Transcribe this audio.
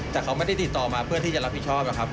แต่เขาไม่ได้ติดต่อมาเพื่อที่จะรับผิดชอบนะครับ